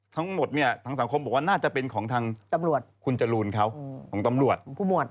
ทั้งหมดทางสังคมบอกว่าน่าจะเป็นของทางคุณจรูนเขาของตำรวจ